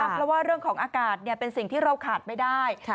เพราะว่าเรื่องของอากาศเป็นสิ่งที่เราขาดไม่ได้